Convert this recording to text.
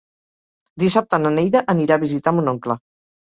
Dissabte na Neida anirà a visitar mon oncle.